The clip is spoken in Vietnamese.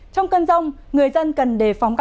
trong cơn rông người dân cần đề phòng các nơi